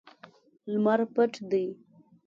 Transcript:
لمر پټ دی